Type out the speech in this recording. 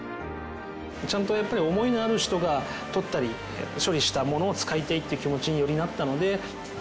ちゃんと思いのある人が取ったり処理したものを使いたいっていう気持ちによりなったので。